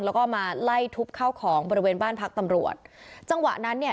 แล้วก็มาไล่ทุบเข้าของบริเวณบ้านพักตำรวจจังหวะนั้นเนี่ย